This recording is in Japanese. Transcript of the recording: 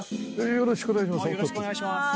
よろしくお願いします。